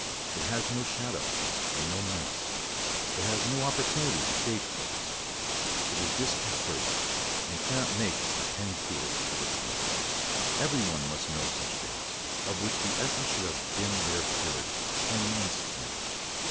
It has no shadow and no menace; it has no opportunity for stage plays; it is disconcerted, and cannot make a penny theatre of its London. Every one must know such days, of which the essence should have been their purity, plain and splendid.